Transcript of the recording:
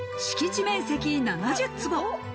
敷地面積７０坪。